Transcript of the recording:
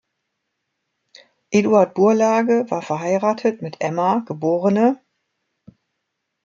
Eduard Burlage war verheiratet mit Emma geb.